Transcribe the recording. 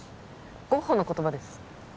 ゴッホの言葉です